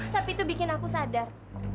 tapi itu bikin aku sadar